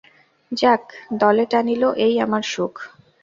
যাক, দলে টানিল এই আমার সুখ।